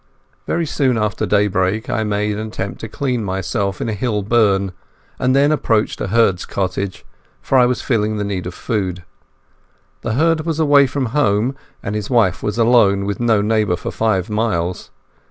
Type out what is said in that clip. Very soon after daybreak I made an attempt to clean myself in a hill burn, and then approached a herd's cottage, for I was feeling the need of food. The herd was away from home, and his wife was alone, with no neighbour for five miles.